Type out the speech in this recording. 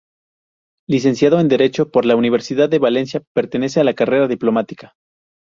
Licenciado en Derecho por la Universidad de Valencia, pertenece a la Carrera Diplomática.